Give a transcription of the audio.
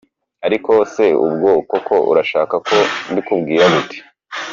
Ariko se ubwo koko urashaka ko mbikubwira gute?”.